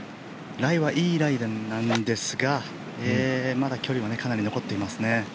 ライはいいライなんですがまだ距離はかなり残っていますね。